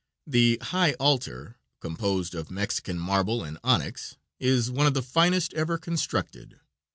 The high altar, composed of Mexican marble and onyx, is one of the finest ever constructed.